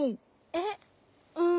えっうん。